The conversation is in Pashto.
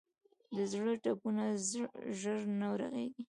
د زړه ټپونه ژر نه رغېږي.